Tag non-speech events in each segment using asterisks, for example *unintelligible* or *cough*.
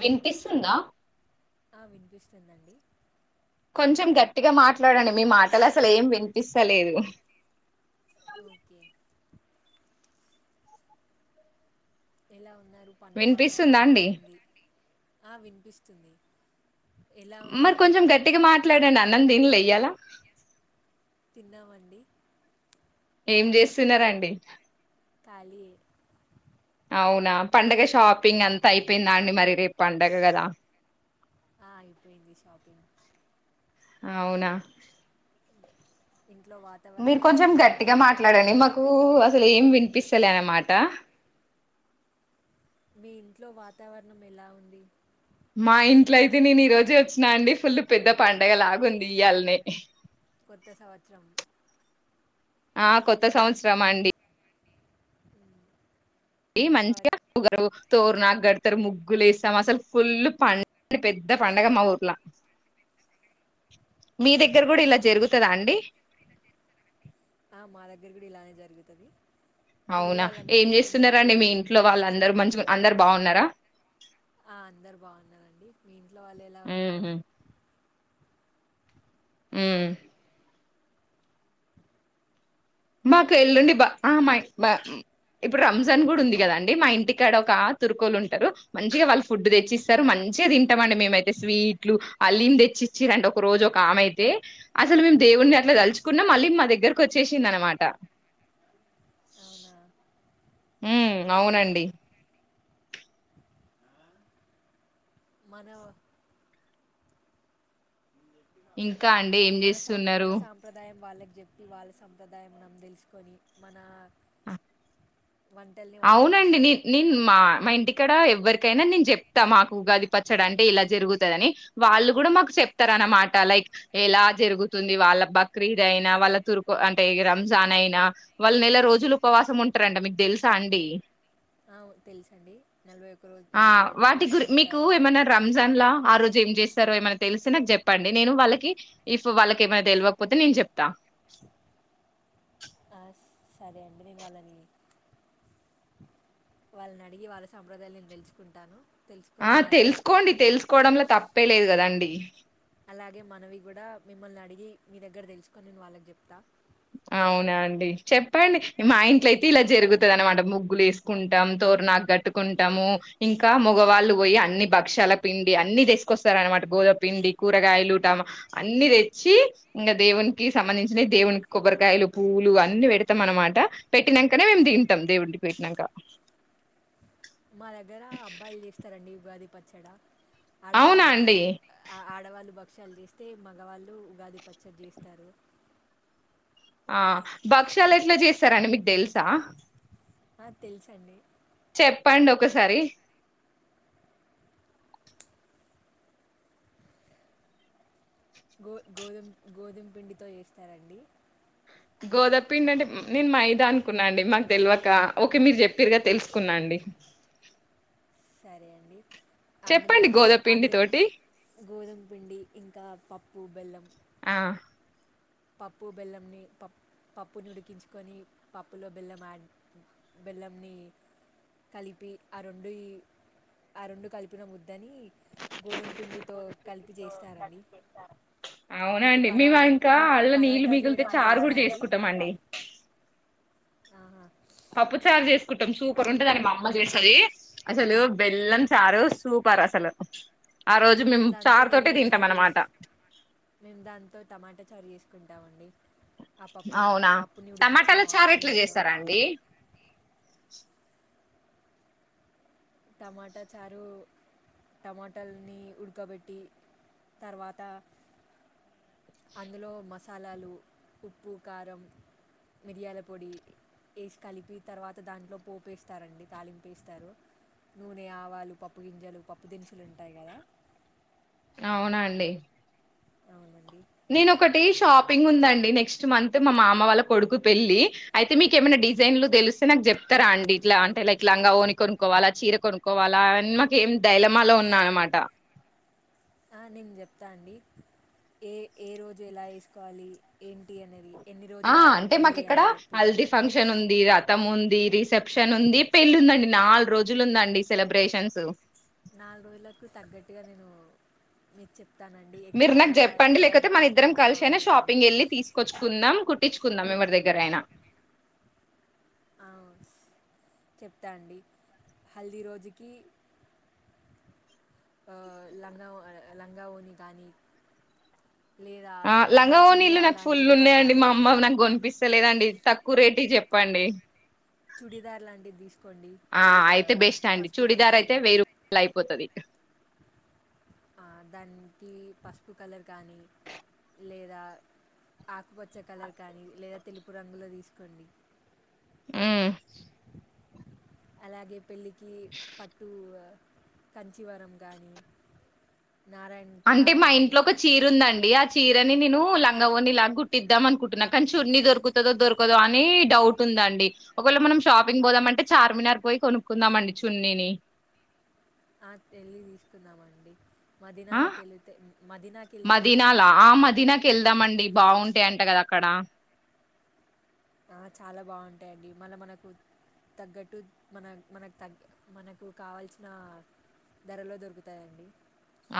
వినిపిస్తుందా ఆ వినిపిస్తుందండి కొంచెం గట్టిగా మాట్లాడండి మీ మాటలు అసలు ఏం వినిపిస్తలేదు ఓకే ఎలా ఉన్నారు పండగ వాతావరణం వినిపిస్తుందా ఎలా అండి ఉంది ఆ వినిపిస్తుంది ఎలా మరి ఉన్నారు కొంచెం గట్టిగా మాట్లాడండి అన్నం తిన్లే ఇయ్యాల తిన్నామండి ఏం చేస్తున్నారండి కాలీ ఏ అవునా పండగ షాపింగ్ అంతా అయిపోయిందా అండి మరి రేపు పండగ కదా ఆ అయిపోయింది షాపింగ్ అవునా ఇంట్లో మీరు వాతావరణం ఎలా కొంచెం ఉంది గట్టిగా మాట్లాడండి మాకు అసలు ఏం వినిపిస్తలే అన్నమాట మీ ఇంట్లో వాతావరణం ఎలా ఉంది మా ఇంట్లో అయితే నేను ఈరోజే వచ్చినా అండి ఫుల్ పెద్ద పండగలా ఉంది ఇయ్యాలనే కొత్త సంవత్సరం ఆ కొత్త సంవత్సరం అండి ఉమ్, ఈ మంచిగా ఉగరు తోర్ నా గడ్ తరు ముగ్గులు వేస్తాం అసలు ఫుల్ పండ పెద్ద పండగ మా ఊర్లా మీ దగ్గర కూడా ఇలా జరుగుతదా అండి ఆ మా దగ్గర కూడా ఇలానే జరుగుతుది అవునా ఏం చేస్తున్నారండి మీ ఇంట్లో వాళ్ళందరూ సంవత్సరం మంచి కదా అందరు బాగున్నారా ఆ అందరు బాగున్నారండి మీ ఇంట్లో వాళ్ళు ఎలా ఉన్నారు ఉహు మ్ మాకు ఎల్లుండి బా ఆ మాయి బా ఇప్పుడు రంజాన్ కూడా ఉంది కదా అండి మా ఇంటికాడ ఒక తుర్కోలు ఉంటారు మంచిగా వాళ్ళు ఫుడ్ తెచ్చిస్తారు మం చిగ తింటామండి మేమయితే స్వీట్లు హలీం తెచ్చి ఇచ్చిర్రు అండి ఒక రోజు ఒక ఆమె అయితే అసలు మేము దే దేవుణ్ణి అట్లా తలుచుకున్నం హలీం మా దగ్గరకు వచ్చేసింది అనమాట అవునా ఉ అంటే అవునండి మన వా ఇంకా అండి ఏం మన సం మన చేస్తున్నరు సాంప్రదాయం వాళ్ళకి చెప్పి వాళ్ళ సంప్రదాయం మనం తెలుసుకొని మన వంటల్ని వాళ్ళకి అవునండి నేన్ నేను మా మా ఇంటి ఇక్కడ ఎవరికైనా నేను చెప్తా మాకు ఉగాది పచ్చడి అంటే ఇలా జరుగుతదని వాళ్ళు కూడా మాకు చెప్తారు అనమాట లైక్ ఎలా జరుగుతుంది వాళ్ళ బక్రీద్ అయినా వాళ్ళ తుర్కు అంటే రంజాన్ అయినా అ వాళ్ళు నెల రోజులు ఉపవాసం ఉంటారంట మీకు తెలుసా అండి ఆ తెలుసండి నలభై ఒక రోజు ఆ నలభై ఐదు వాటి రోజులేమో గురి మీకు ఉంటారు ఏమైనా రంజాన్ లా ఆ రోజు ఏం చేస్తారో ఏమైనా తెలిస్తే నాకు చెప్పండి నేను వాళ్ళకి ఇఫ్ వాళ్ళకి ఏమైనా తెలివకపోతే నేను చెప్తా ఆ సరే అండి నేను వాళ్ళని వాళ్ళని అడిగి వాళ్ళ సాంప్రదాయాలు నేను తెలుచుకుంటాను ఆ తెలుసుకోండి తెలుసుకోవడంలో తప్పే లేదు కదండి అలాగే మనవి కూడా మిమ్మల్ని అడిగి మీ దగ్గర తెలుసుకొని నేను వాళ్ళకి చెప్తా అవునా అండి చెప్పండి మా ఇంట్ల అయితే ఇలా జరుగుతుంది అనమాట ముగ్గులు వేసుకుంటాం తోరణా నాకు గట్టుకుంటాము ఇంకా మగవాళ్ళు పోయి అన్ని భక్షాల పిండి అన్ని తెసుకొస్తారు అనమాట గోదా పిండి కూరగాయలుట అన్ని తెచ్చి ఇగ దేవునికి సంబంధించినవి దేవు కొబ్బరికాయలు పూవ్వులు అన్ని పెడతాం అనమాట పెట్టినాకనే మేము తింటాం దేవుకి పెట్టినా క మా దగ్గర అబ్బాయిలు చేస్తారండి ఉగాది పచ్చడా ఆడవాళ్లు అవునా అండి భక్షాలు ఆడవాళ్లు భ భక్షాలు చేస్తే మగవాళ్ళు ఉగాది పచ్చడి చేస్తారు ఆ భక్షలు ఎట్లా చేస్తారండి మీకు తెలుసా ఆ తెలుసండి చెప్పండి ఒకసారి గో గోధుం గోధుమ పిండితో చేస్తారండి. గోదా పిండి అంటే నేను మైదా అనుకున్నాండి మాకు తెలివక ఒకే మీరు చెప్పారుగా తెలుసుకున్నా అండి, *unintelligible* సరే అండి చెప్పండి అందులోకి గోధపిండి అందులో తోటి గోధుమ పిండి ఇంకా పప్పు కూ బెల్లం ఆ పప్పు బెల్లంని పపు పప్పుని ఉడికించుకొని పప్పులో బెల్లం యాడ్ బెల్లంని కలిపి ఆ రెండు ఆ రెండు కలిపిన ము ముద్దని గోధుమ పిండితో కలిపి చేస్తారండి. మీకు అవునండి పరా మేము ఇంకా మీకు అళ్ళ ఇంకా నీళ్లు పరోటా మిగిలితే చేయడం చారు తెలుసా కూడా చేసుకుంటాం, అండి ఆహా. పప్పు చారు చేసుకుంటాం సూపర్ ఉంటదండి, మా అమ్మ చేస్తుంది అసలు బెల్లం చారు సూ సూపర్ అసలు ఆ రోజు మేము దాంతో చారు తోటే మిరియాలు తింటాం చారు చేస్ అన్నమాట మేము దాంతో టమాటా చారు చేసుకుంటామండి. ఆ పప్పుని అవునా పప్పుని ఉడికించిన టమాటాల వా- చారు ఎట్లా నీళ్ళతో చేస్తారా, అండి టమాటా చారు టమాటల్ని ఉడకబెట్టి, తర్వాత అందులో మసాలాలు ఉప్పు, కారం మిరియాల పొడి వేసి కలిపి తర్వాత దాంట్లో పోపేస్తారండి తాలింపు వేస్తారు, నూనె ఆవాలు పప్పు గింజలు పప్పు దిసులుంటాయి కదా అవునండి, అవునండి నేను ఒకటి షాపింగ్ ఉందండి నెక్స్ట్ మంత్ మా మామ వాళ్ళ కొడుకు పెళ్ళి అయితే మీకే ఏమైనా, డిజైన్లు తెలిస్తే నాకు చెప్తారా అండి ఇట్లా అంటే లైక్ లంగా వోని కొనుక్కవాలా చీర కొనుక్కవాలా ల మా ఏం దైలమాలో ఉన్నా అనమాట ఆ నేను చెప్తా అండి, ఏ ఏ రోజు ఎలా వేసుకోవాలి ఏంటి అనేది, ఎన్ని ఆ రోజుల అంటే మాకి పెళ్ళి ఇక్కడ అని చెప్పి హల్ది ఫంక్షన్ ఉంది. ఈరథం ఉంది, రిసెప్షన్ ఉంది, పెళ్లి ఉందండి నాలుగు రోజులు ఉందాండి సెలబ్రేషన్స్, నాలుగు రోజులకు తగ్గట్టుగా నేను మీకు చెప్తను మీరు నాకు చెప్పండి లేకపోతే మన ఇద్దరం కలిసి అయినా బాగుంటుందని షాపింగ్ వెళ్ళి తీసుకొచ్చుకుందాం కుట్టించు, కుందాం ఎవరి దగ్గరైనా ఆ చెప్తాండి హల్ది రోజుకి, లంగా లంగా వోని కానీ లేదా ఆ లంగా నార్మల్ వొనీళ్ళలు చుడిదార్ నాకు ఫుల్ లాంటివి కానీ ఉన్నాయండి, మా అమ్మ నాకు గోనిపిస్తలేదండి తక్కువ రేట్ చెప్ చెప్పండి, చుడిదార్ లాంటిది తీసుకోండి ఆ హల్ అయితే బెస్ట్ అండి పసుపు చూడిదార్ అయితే ఫంక్షన్కి వెయ్యి రూపాయలు అయిపోతది ఆ దానికి పసుపు కలర్ కాని లేదా ఆకుపచ్చే కలర్ కానీ లేదా తెలుపు రంగులో తీసుకోండి. ఉ అలాగే పెళ్ళికి పట్టు కంచివరం గాను, అంటే మా ఇంట్లో ఒక చీర ఉందండి ఆ చీరు ని నేను లంగా ని ఇలాగ గుట్టిద్దాం అనుకుంటున్నా కానీ చున్నన్ని దొరుకుతుందో దొరకదో అని డౌట్ ఉందండి. డి ఒకవేళ మనం షాపింగ్ పోదామ అంటే చార్మినార్ పోయి కొనుక్కుందాంండి, చున్నీని ఆ వేళ్లిి తీసుకున్నామండి, ఆ మదీనాలోకి వెళితే మదీనాకి వెళితే మనకి అన్నీ మదీనాలా ఆ దొరుకుతాయి. మదీనాకి వెళ్దామండి బాగుంటాయంట కదా అక్కడ ఆ చాలా బాగుంటాయిండి మళ్ళా మనకు తగ్గట్టు మన మనకు తగ్గ మనకు కావాల్సిన, ధరలో దొరుకుతాయండి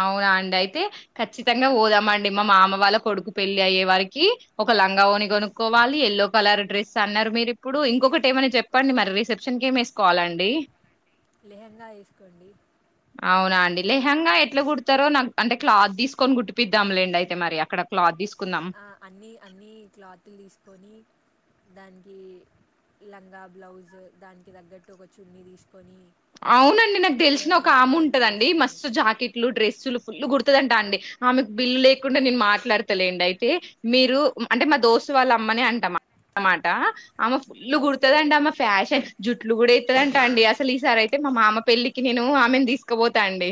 అవునా అండి అయితే ఖచ్చితంగా పోదామండి మా మామ వాళ్ళ కొడుకు పెళ్లి అయ్యే వారికి ఒక లంగా ఒని కొనుక్కోవాలి ఎల్లో కలర్ డ్రెస్ అన్నారు మీరు ఇప్పుడు ఇంకొకటి ఏమన్న చెప్పండి మరి రిసెప్షన్ కి వేసుకోవాలండి లేహంగా వేసుకోండి లేహంగా ఎట్లా కుడతారో నాకు అంటే క్లాత్ తీసుకొని గుట్టిపిద్ధములేండి అయితే మరి అక్కడ క్లాత్ తీసుకని ఆ అన్నీ అన్నీ క్లాతులు తీసుకొని దానికి లంగా బ్లౌజ్ దానికి తగ్గట్టు ఒక చున్నీ తీసుకు అవునండి నాకు తెలిసిన ఒక ఆమె మోడల్లో ఉంటదండి వేసుకోండి మస్తు జాకెట్లు డ్రెస్సులు ఫుల్లు గుడుతుదంటా అండి ఆమెకు బిల్లు లేకుండా నేను మాట్లాడతలేండి అయితే మీరు అంటే మా దోస్తు వాళ్ళు ఆమ్మని అంటామా అనమాట అమ ఫుల్లు కుడుతుదండి అమ్మ ఫ్యాషన్ జుట్లు కూడా ఎత్తదంటా అండి అసలు ఈసారి అయి అంటే మా మామ పెళ్లికి నేను ఆమెను తీసుకుపోతా అండి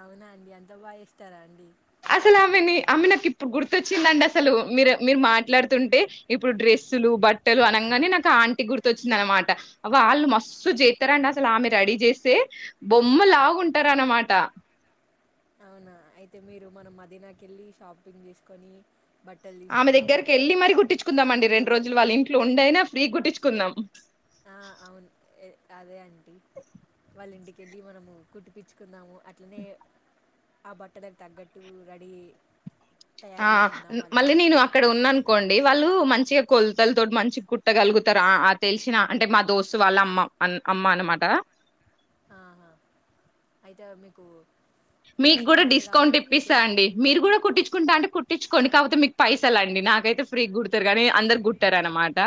అవునా అండి అంత బాగా ఏస్తారా అండి అసలు ఆమెని అమె నాకు ఇప్పుడు గుర్తొచ్చిందండి అసలు మీరు మీరు మాట్లాడుతుంటే ఇప్పుడు డ్రేస్ బస్లు బట్టలు అనగానే నాకు ఆంటి గుర్తు వచ్చింది అనమాట వాళ్ళు మస్తు చేస్తారండి అసలు ఆమె రెడీ చేస్తే బొమ్మలాగ ఉంటారు అన్నమాట అవునా అయితే మీరు మనం మదీనాకి వెళ్ళి షాపింగ్ చేసుకొని బట్టలు ఆమె తీసుకుందాము దగ్గరకి వెళ్ళి మరి గుట్టించుందాంమండి మీరు రెండు రోజులు వాళ్ళ ఇంట్లో ఉండైనా ఫ్రీ గుట్టించుందాం ఆ, అవును అదే అంటి వాళ్ళ ఇంటికి వెళ్ళి మనము కుట్పచ్చుకున్నాము అట్లనే ఆ బట్టల తగ్గట్టు రెడీ ఆ తయారు చేయమందాం మళ్ళీ వాళ్ళని నేను అక్కడ ఉన్నా అనుకోండి వాళ్ళు మ మంచిగా కొలతలతోటి మంచి కుట్టగలుగుతారు ఆ ఏం తెలిసిన అంటే మా దోస్తు వాళ్ళ అమ్మ అమ్మ అనమాట ఆహా అయితే మీకు మీకు తెలిసిన కూడా వాళ్ళే డిస్కౌంట్ కాబట్టి మీకు ఇప్పిస్తా అండి మీరు కూడా కుట్టించుకుంటా అంటే కుట్ గుట్టించుకోండి కాకపోతే మీకు పైసలులాండి నాకైతే ఫ్రీ గుడతారు కానీ అందరు కుట్టారు అనమాట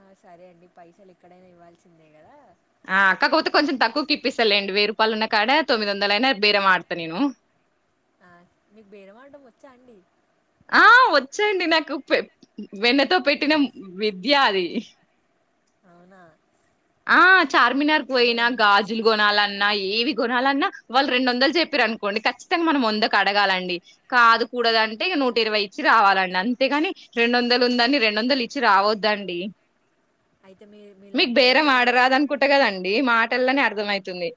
ఆ సరే అండి పైసలు ఎక్కడైనా ఇవ్వాల్సిందే కదా ఆ కాకపోతే కొంచెం తక్కువకు ఇప్పస్తాలేండి వెయ్యి రూపాయలున్నా కాడ తొమ్మిది వందల అయిన బేరం ఆడతా నేను ఆ మీకు బెరమరడం వచ్చా అండి వచ్చాండి నాకు పే వెన్నతో పెట్టిన విద్య అది అవునా ఆ చార్మినార్ కి పోయినా మనం గాజులు కొనాలన్నా ఏవి కోనాలన్నా వాళ్ళు రెండు వందలు చెప్పారు అనుకోండి ఖచ్చితంగా మనం వందకు అడగాలండి కాదు కూడదు అని అంటే నూట ఇరవై ఇచ్చి రావాలండి అంతేగాని రెండు వందలు ఉందని రెండు వందలు ఇచ్చి రావద్దండి అయితే మీ మీకు మీలాంటి బేరేం వాళ్ళతో ఆడరాదనుకుంటే కదండి మాటల్లోనే అర్థం ఆయుతుంది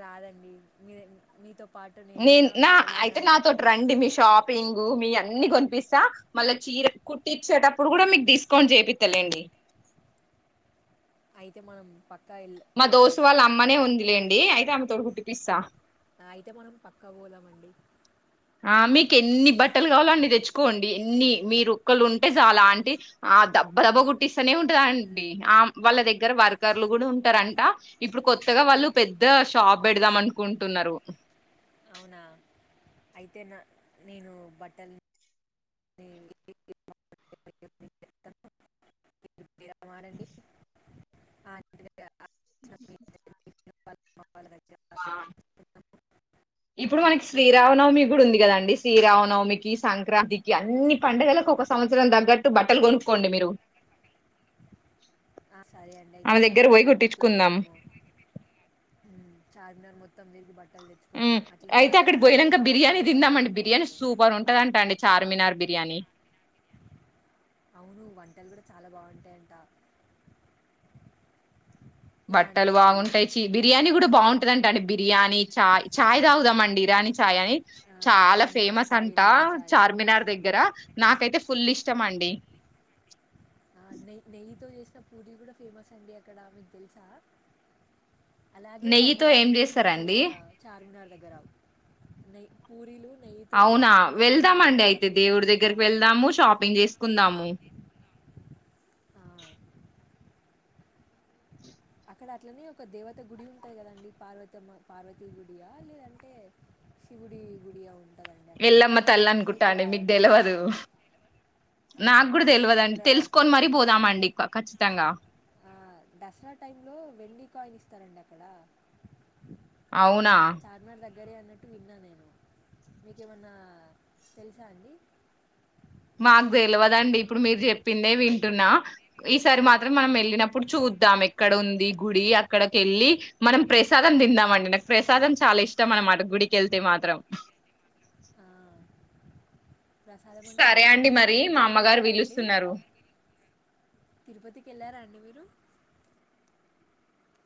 రాదండి మీ మీతో పాటు నేను కూడా బట్టాలకోనడానికి వచ్చి నేర్చుకుంటాను ఇంగు మీ అన్నీ అన్నీ కోనిపిస్తా మళ్ళీ చీర కుట్టిచ్చేటప్పుడు కూడా మీకు డిస్కౌంట్ చెపిస్తాలేండి అయితే మనం పక్క మా దోస్త్ వాళ్ళ అమ్మనే ఉందిలేండి అయితే ఆమె తోటీ కుట్టిపిస్త అయితే మనం పక్కా పోదాం అండి ఆ మీకు ఎన్ని బట్టలు కావలో అన్ని తెచ్చుకోండి ఎన్ని మీరు ఓక్కలు ఉంటే చాలా అంటి దబ్బ దబ్బ గుట్టిస్తనే ఉంటదండి ఆ వాళ్ళ దగ్గర వర్కర్లు కూడా ఉంటారంట ఇప్పుడు కొ కొత్తగా వాళ్ళు పెద్ద షాప్ పెడదాం అనుకుంటున్నారు అవునా అయితే నా నేను బట్టలు *inaudible* *unintelligible* ఆలోచన మీ *inaudible* *inaudible* ఆఁ ఇప్పుడు అన్నీ మనకి అయిపోతాయి శ్రీరామనవమి కూడా ఉంది కదండి శ్రీరామనవమికి ఈ సంక్రాంతికి అన్ని పండుగలకు ఒక సంవత్సరం తగ్గట్టు బట్టలు కొనుక్కోండి మీరు. ఆ సరే అండి అయితే ఆమె మనం దగ్గర వెళ్ళి పోయి కుట్టించుకుందాం వెతుక్కుందాము మ్మ్ చార్మినార్ మొత్తం తిరిగి బట్టలు తెచ్చుకుదం. ఉమ్ అయితే అక్కడికి బొయినంక బిర్యానీ తిందామండి బిర్యానీ కొనుక్కోవచ్చు సూపర్ ఉంటదంటా అండి చార్మినార్ బిర్యానీ. అవును వంటలు కూడా చాలా బాగుంటాయంట. ఇరానీ బట్టలు చాయ్ బాగుంటాయి, చి బిర్యానీ కూడా బాగుంటదంట అండి బిర్యానీ చాయ్, చాయ్ తాగుదాంమండి ఇరాని చాయని ఆ, చాలా బన్ ఫేమస్ మస్కా అంటా ఇరానీ చాయ్ చార్మినార్ దగ్గర నాకైతే ఫుల్ ఇష్టం అండి. ఆ నెయ్ నెయ్యితో చేసిన పూరి కూడా ఫేమస్ అండి అక్కడ మీకు తెలుసా! అలాగే ఒక నెయ్యితో అమ్మవారి ఏం గుడి గూడ ఉంటది చేస్తారండి కదా, చార్మినార్ దగ్గర. నెయ్ పూరీలు నెయ్యితో అవునా చేసిన పూరీలు ఉంటాయండి వెళ్దామండి అక్కడ అయితే ఫేమస్ దేవుడి అంట దగ్గరకి వెళ్దాము, షాపింగ్ చేసుకుందాము. ఆ, అక్కడ అట్లనే ఒక దేవత గుడి ఉంటది కదండి పార్వతమ పార్వతి గుడియా లేదంటే, శిషవుడి గుడియా ఉం ఎళ్ళమ్మ తల్లి అనుకుంట అండి మీకు తెలుసా తెలవదు. అండి అవునా నాక్కూడ తెలువదండి, అక్కడ తెలుసుకొని మరీ పోదామండి ఖచ్చితంగా. ఆఁ దసరా టైంలో వెండి కాయిన్ ఇస్తారండి అక్కడా అవునా దగ్గరే అన్నట్టు విన్నా నేను. మీకు ఏమన్నా తెలుసా అండి? మాకు తెలువదండి ఇప్పుడు మీరు చెప్పిందే వింటున్నా, ఈసారి మాత్రం మనం వెళ్ళినప్పుడు చూ ద్దాం ఎక్కడ ఉంది గుడి అక్కడకి వెళ్ళి మనం ప్రసాదం తిందామండి, నాకు ప్రసాదం చాలా ఇష్టం. అనమాట గుడికి వెళ్తే మాత్రం. ఆ, ప్రసాదం అంటే సరే అండి గుర్తొచ్చింది, మీరు మరి మా తిరుపతికి అమ్మగారు వెళ్ళారా అండి? పిలుస్తున్నారు తిరుపతికి వెళ్ళారా అండి మీరు?